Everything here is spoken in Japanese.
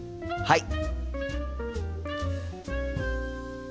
はい！